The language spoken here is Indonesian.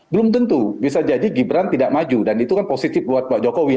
belum tentu bisa jadi gibran tidak maju dan itu kan positif buat pak jokowi